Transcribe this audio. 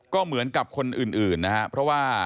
ก็เหมือนกับคนอื่นเพราะว่า